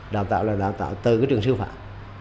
đào tạo là đào tạo từ cái trường sư phạm